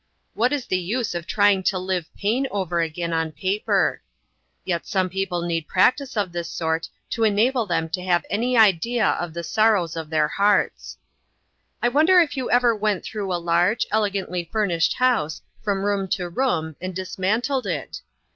What is the use of trying to live pain over again on paper ? Yet some people need practice of this sort to enable them to have any idea of the sorrows of other hearts. I wonder if you ever went through a large, elegantly furnished house, from room to room, and dismantled it?